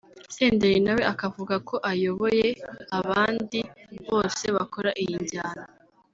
Senderi nawe akavuga ko ayoboye abandi bose bakora iyi njyana